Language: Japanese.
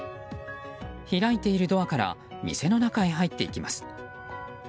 開いているドアから店の中へ入っていきます。